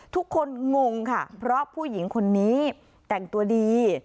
งงค่ะเพราะผู้หญิงคนนี้แต่งตัวดี